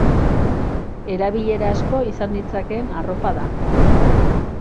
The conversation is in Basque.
Erabilera asko izan ditzakeen arropa da.